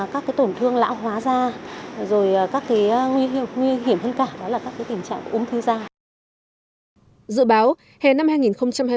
các tổn thương lão hóa da rồi các nguy hiểm hơn cả là các tình trạng của ung thư da